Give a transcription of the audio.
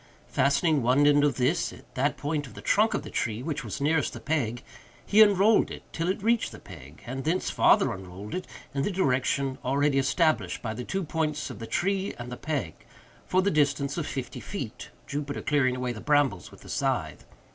Fastening one end of this at that point of the trunk, of the tree which was nearest the peg, he unrolled it till it reached the peg, and thence farther unrolled it, in the direction already established by the two points of the tree and the peg, for the distance of fifty feet—Jupiter clearing away the brambles with the scythe.